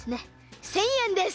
１，０００えんです。